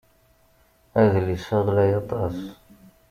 Adlis-a ɣlay aṭas.